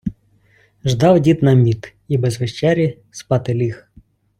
Ждав дід на мід і без вечері спати ліг.